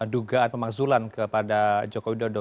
dugaan pemakzulan kepada jokowi dodo